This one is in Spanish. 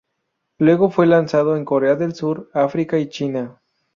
Luego fue lanzado en Corea del Sur, África y China.